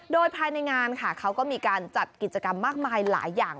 โดยภายในงานค่ะเขาก็มีการจัดกิจกรรมมากมายหลายอย่าง